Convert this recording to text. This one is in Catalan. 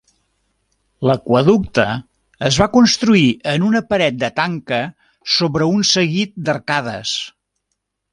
L'aqüeducte es va construir en una paret de tanca, sobre un seguit d'arcades.